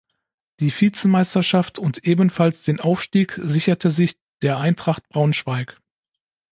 Die Vizemeisterschaft und ebenfalls den Aufstieg sicherte sich der Eintracht Braunschweig.